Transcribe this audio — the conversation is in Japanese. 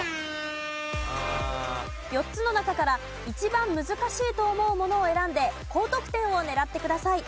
４つの中から一番難しいと思うものを選んで高得点を狙ってください。